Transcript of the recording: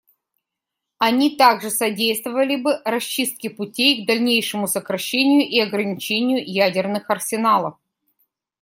Они также содействовали бы расчистке путей к дальнейшему сокращению и ограничению ядерных арсеналов.